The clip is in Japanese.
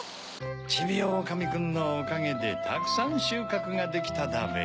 ちびおおかみくんのおかげでたくさんしゅうかくができただべ。